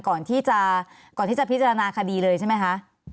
ก่อนที่จะก่อนที่จะพิจารณาคดีเลยใช่ไหมคะ